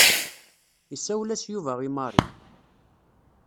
Isawel-as Yuba i Mary.